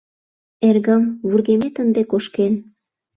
— Эргым, вургемет ынде кошкен.